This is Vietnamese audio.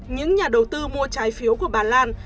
những nhà đầu tư mua trái phiếu của bà lan